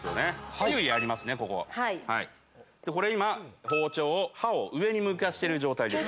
ここはいはいこれ今包丁を刃を上に向かせてる状態です